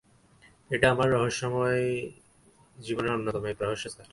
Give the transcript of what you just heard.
এটা আমার জীবনের অন্যতম এক রহস্য, স্যার।